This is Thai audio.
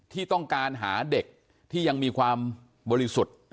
ที่ต้องการหาเด็กที่ยังมีความบริสุทธิ์